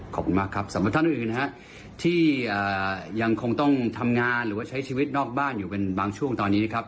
ขอบคุณมากครับสำหรับท่านอื่นนะฮะที่ยังคงต้องทำงานหรือว่าใช้ชีวิตนอกบ้านอยู่เป็นบางช่วงตอนนี้นะครับ